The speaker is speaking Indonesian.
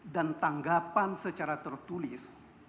dan tanggapan secara tertulis